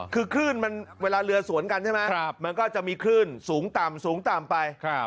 คือคลื่นมันเวลาเรือสวนกันใช่ไหมมันก็จะมีคลื่นสูงต่ำสูงต่ำไป